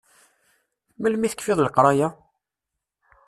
Melmi i tekfiḍ leqraya?